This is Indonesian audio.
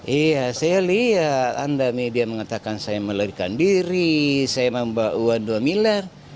iya saya lihat anda media mengatakan saya melarikan diri saya membawa uang dua miliar